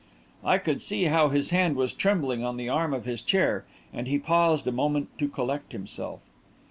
I could see how his hand was trembling on the arm of his chair, and he paused a moment to collect himself.